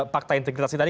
pakta integritasnya tadi